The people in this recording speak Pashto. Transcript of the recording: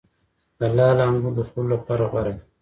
د لعل انګور د خوړلو لپاره غوره دي.